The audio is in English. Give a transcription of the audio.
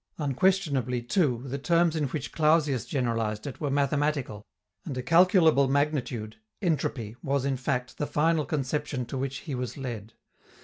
Unquestionably, too, the terms in which Clausius generalized it were mathematical, and a calculable magnitude, "entropy," was, in fact, the final conception to which he was led.